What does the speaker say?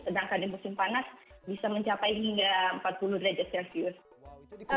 sedangkan di musim panas bisa mencapai hingga empat puluh derajat celcius